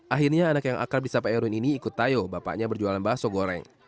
akhirnya anak yang akrab di sapa herun ini ikut tayo bapaknya berjualan bakso goreng